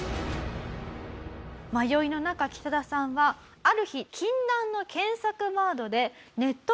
迷いの中キタダさんはある日禁断の検索ワードでネット検索をします。